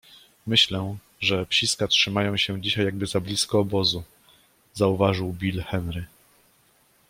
- Myślę, że psiska trzymają się dzisiaj jakby za blisko obozu - zauważył Bill. Henry